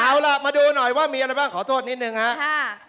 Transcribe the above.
เอาล่ะมาดูหน่อยว่ามีอะไรบ้างขอโทษนิดนึงครับ